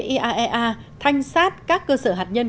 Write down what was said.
iaea thanh sát các cơ sở hạt nhân